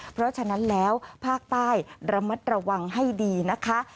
เพราะฉะนั้นแล้วภาคใต้ระมัดระวังให้ดีนะคะ